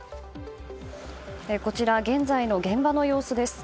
こちら、現在の現場の様子です。